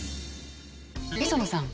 磯野さん。